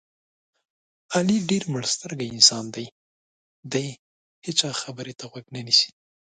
علي ډېر مړسترګی انسان دی دې هېچا خبرې ته غوږ نه نیسي.